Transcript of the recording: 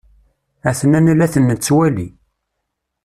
A-ten-an la ten-nettwali.